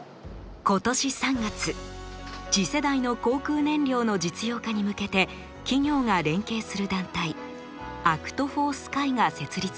今年３月次世代の航空燃料の実用化に向けて企業が連携する団体「ＡｃｔｆｏｒＳｋｙ」が設立されました。